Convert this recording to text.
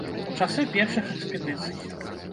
У часы першых экспедыцый.